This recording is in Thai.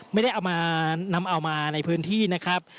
ไม่ได้เอามานำเอามาในพื้นที่นะครับ